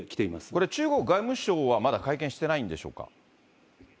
これ、中国外務省はまだ会見してないんでしょうか。